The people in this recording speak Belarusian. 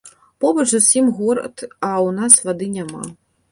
Побач зусім горад, а ў нас вады няма.